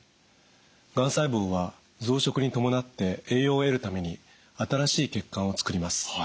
がん細胞は増殖に伴って栄養を得るために新しい血管を作ります。